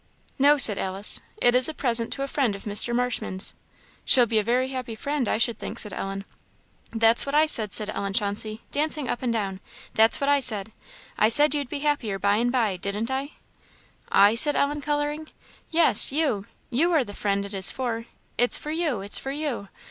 "No," said Alice, "it is a present to a friend of Mr. Marshman's." "She'll be a very happy friend, I should think," said Ellen. "That's what I said," said Ellen Chauncey, dancing up and down "that's what I said. I said you'd be happier by and by, didn't I?" "I?" said Ellen, colouring. "Yes, you you are the friend it is for; it's for you, it's for you!